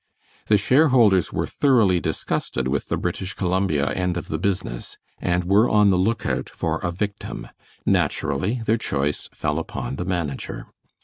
The share holders were thoroughly disgusted with the British Columbia end of the business, and were on the lookout for a victim. Naturally their choice fell upon the manager.